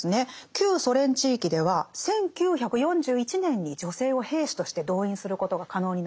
旧ソ連地域では１９４１年に女性を兵士として動員することが可能になったんです。